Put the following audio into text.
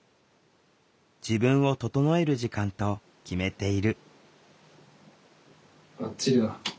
自分を整える時間と決めている。